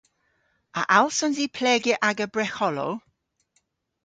A allsons i plegya aga bregholow?